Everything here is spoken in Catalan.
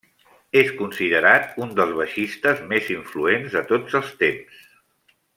És considerat un dels baixistes més influents de tots els temps.